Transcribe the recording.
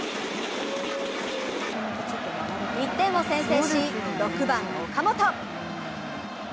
１点を先制し、６番・岡本。